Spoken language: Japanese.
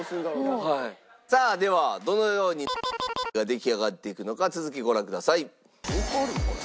さあではどのようにが出来上がっていくのか続きご覧ください。